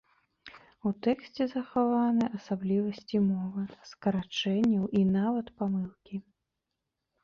У тэксце захаваны асаблівасці мовы, скарачэнняў і нават памылкі.